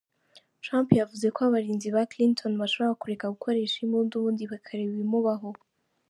Trump yavuze ko abarinzi ba Clinton bashobora kureka gukoresha imbunda ubundi “bakareba ibimubaho”.